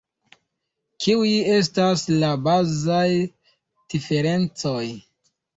Kiuj estas la bazaj diferencoj?